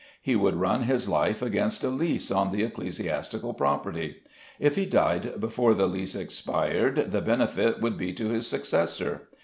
He would run his life against a lease on the ecclesiastical property. If he died before the lease expired the benefit would be to his successor.